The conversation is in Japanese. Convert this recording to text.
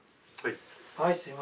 はい。